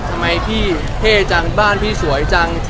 ทำไมพี่เท่จังบ้านพี่สวยจัง